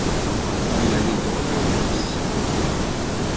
Il ritorno di Ulisse